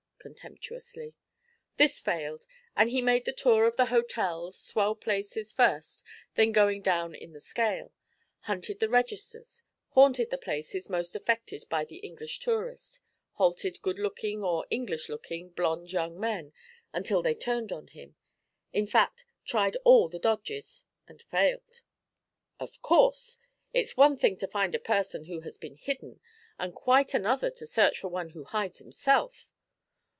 contemptuously. 'This failed, and he made the tour of the hotels, swell places first, then going down in the scale, hunted the registers; haunted the places most affected by the English tourist; halted good looking, or English looking, blond young men until they turned on him. In fact, tried all the dodges and failed.' 'Of course! It's one thing to find a person who has been hidden, and quite another to search for one who hides himself.